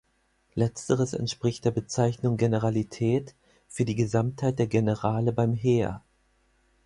Letzteres entspricht der Bezeichnung Generalität für die Gesamtheit der Generale beim Heer.